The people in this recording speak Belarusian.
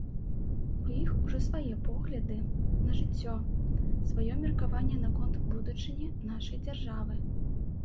У іх ужо свае погляды на жыццё, сваё меркаванне наконт будучыні нашай дзяржавы.